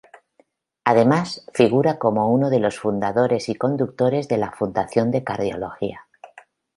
Además, figura como uno de los fundadores y conductores de la Fundación de Cardiología.